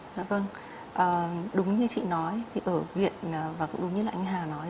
dạ vâng đúng như chị nói thì ở viện và cũng đúng như là anh hà nói